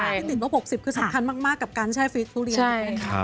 ติดประปบ๖๐คือสำคัญมากกับการใช้ฟลิกทุเรียน